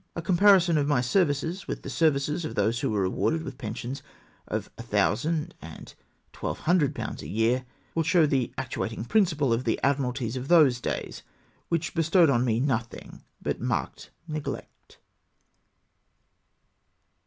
A com parison of my services with the services of those who were rewarded with pensions of 1000/. and 1200/. a year, will show the actuating principle of the Admi ralties of those days, which bestowed on me nothing but marked neglect.